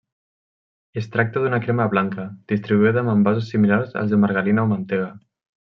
Es tracta d'una crema blanca, distribuïda en envasos similars als de margarina o mantega.